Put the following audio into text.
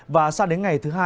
và sang đến ngày thứ hai